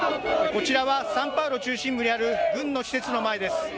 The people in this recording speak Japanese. こちらはサンパウロ中心部にある軍の施設の前です。